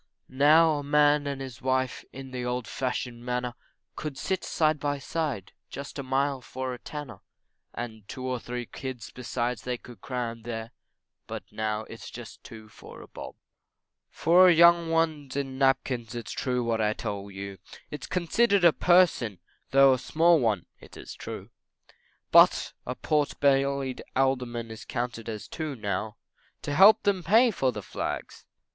Now a man and his wife in the old fashioned manner, Could ride side by side just a mile for a tanner And two or three kids besides they could cram there, But now it's just two for a bob; For a young one in napkins, it's true what I tell you, Is considered a person, though a small one, it is true, Butt, a pot bellied Alderman is counted as two, now, To help them to pay for the Flags!